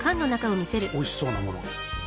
おいしそうなものが。